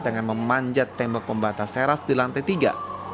dengan memanjat tembok pembatas seras di lantai tiga